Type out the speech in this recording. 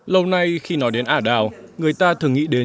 lâu nay khi nói đến ả đào người ta thường nghĩ đến